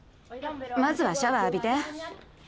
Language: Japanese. まずはシャワー浴びて。